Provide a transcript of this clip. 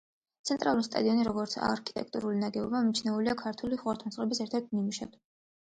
ცენტრალური სტადიონი, როგორც არქიტექტურული ნაგებობა, მიჩნეულია ქართული ხუროთმოძღვრების ერთ-ერთ ნიმუშად.